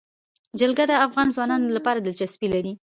جلګه د افغان ځوانانو لپاره دلچسپي لري.